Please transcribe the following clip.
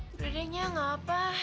beradanya nggak apa